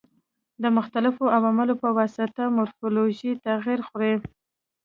د مختلفو عواملو په واسطه مورفولوژي تغیر خوري.